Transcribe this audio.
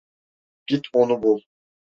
Git onu bul.